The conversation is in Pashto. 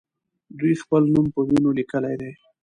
دوی خپل نوم په وینو لیکلی دی.